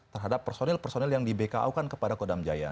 terhadap personil personil yang di bko kan kepada kodam jaya